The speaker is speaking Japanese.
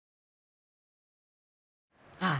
ああ。